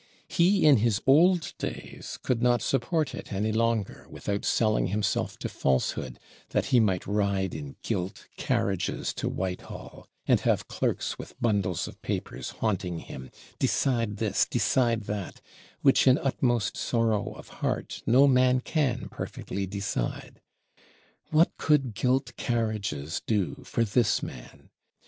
He in his old days could not support it any longer, without selling himself to Falsehood, that he might ride in gilt carriages to Whitehall, and have clerks with bundles of papers haunting him, "Decide this, decide that," which in utmost sorrow of heart no man can perfectly decide! What could gilt carriages do for this man?